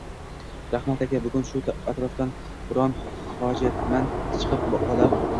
Rahmat, aka… Bugun shu atrofdan biron hojatmand chiqib qolar